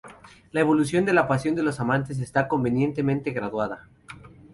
La evolución de la pasión de los amantes está convenientemente graduada.